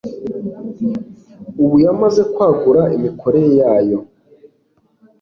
ubu yamaze kwagura imikorere yayo